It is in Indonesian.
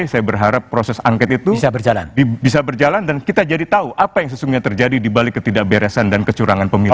saya berharap proses angket itu bisa berjalan dan kita jadi tahu apa yang sesungguhnya terjadi dibalik ketidakberesan dan kecurangan pemilu